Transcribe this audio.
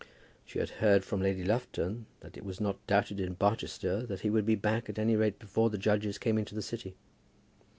She had heard from Lady Lufton that it was not doubted in Barchester that he would be back at any rate before the judges came into the city.